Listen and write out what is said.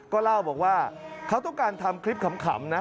ก็เล่าบอกว่าเขาต้องการทำคลิปขำนะ